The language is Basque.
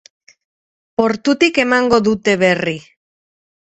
Portutik emango dute berri.